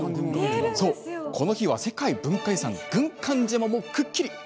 この日は、世界文化遺産軍艦島もくっきり。